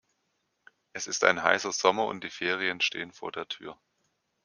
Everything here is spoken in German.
Es ist ein heißer Sommer und die Ferien stehen vor der Tür.